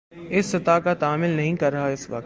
اس سطح کا تعامل نہیں کر رہا اس وقت